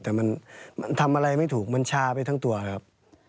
แต่มันทำอะไรไม่ถูกมันชาไปทั้งตัวครับ